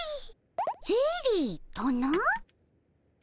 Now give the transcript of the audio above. ゼリーとな。